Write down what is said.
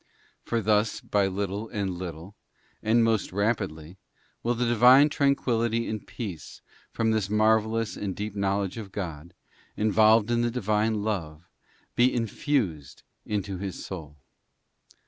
For thus by little and little, and most rapidly, will the Divine tranquillity and peace from this marvellous and deep know ledge of God, involved in the Divine love, be infused into his soul.